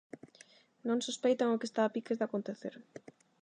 Non sospeitan o que está a piques de acontecer...